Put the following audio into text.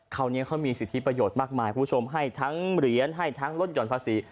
คราวนี้เขามีสิทธิประโยชน์มากมายคุณผู้ชมให้ทั้งเหรียญให้ทั้งลดหย่อนภาษี